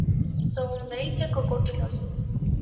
Սողուններից է կոկորդիլոսը։